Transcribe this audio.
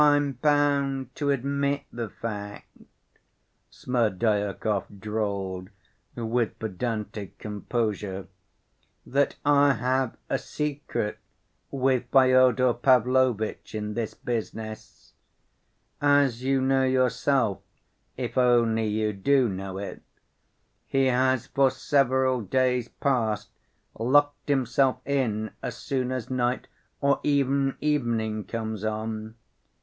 "I'm bound to admit the fact," Smerdyakov drawled with pedantic composure, "that I have a secret with Fyodor Pavlovitch in this business. As you know yourself (if only you do know it) he has for several days past locked himself in as soon as night or even evening comes on.